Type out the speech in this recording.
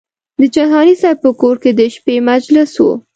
د جهاني صاحب په کور کې د شپې مجلس و.